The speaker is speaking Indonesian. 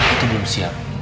itu belum siap